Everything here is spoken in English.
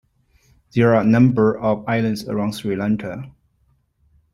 There are number of islands around Sri Lanka.